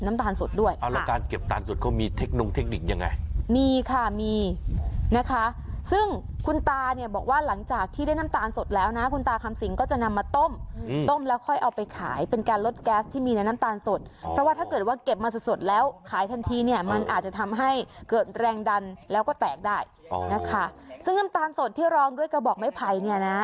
นะคะซึ่งคุณตาเนี่ยบอกว่าหลังจากที่ได้น้ำตาลสดแล้วนะคุณตาคำสิงห์ก็จะนำมาต้มอืมต้มแล้วค่อยเอาไปขายเป็นการลดแก๊สที่มีในน้ำตาลสดเพราะว่าถ้าเกิดว่าเก็บมาสดสดแล้วขายทันทีเนี่ยมันอาจจะทำให้เกิดแรงดันแล้วก็แตกได้อ๋อนะคะซึ่งน้ำตาลสดที่รองด้วยกระบอกไม